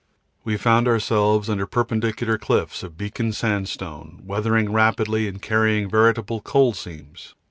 We found ourselves under perpendicular cliffs of Beacon sandstone, weathering rapidly and carrying veritable coal seams.